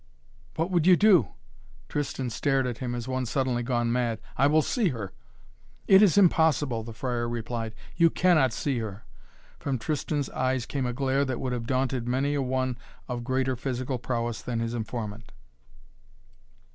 "What would you do?" Tristan stared at him as one suddenly gone mad. "I will see her." "It is impossible!" the friar replied. "You cannot see her." From Tristan's eyes came a glare that would have daunted many a one of greater physical prowess than his informant.